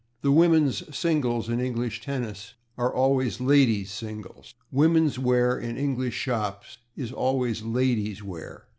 The /women's singles/, in England tennis, are always /ladies' singles/; /women's wear/, in English shops, is always /ladies' wear